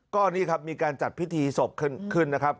ก็นี่ครับมีการจัดพิธีศพขึ้นนะครับ